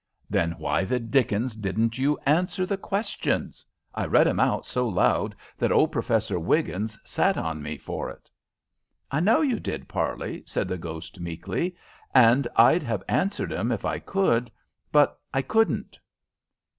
"Then why the dickens didn't you answer the questions? I read 'em out so loud that old Professor Wiggins sat on me for it." "I know you did, Parley," said the ghost, meekly. "And I'd have answered 'em if I could. But I couldn't."